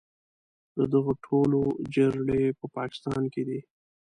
د دغو ټولو جرړې په پاکستان کې دي.